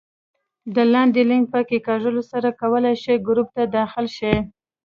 د لاندې لینک په کېکاږلو سره کولای شئ ګروپ ته داخل شئ